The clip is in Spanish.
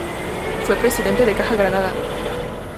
Fue presidente de Caja Granada.